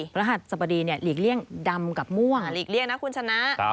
รหัสสบดีหลีกเลี่ยงดำกับม่วงหลีกเลี่ยงนะคุณชนะ